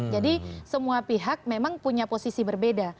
jadi semua pihak memang punya posisi berbeda